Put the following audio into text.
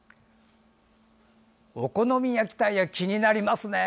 お好み焼きたい焼き気になりますね！